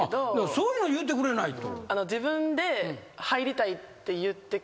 そういうの言ってくれないと。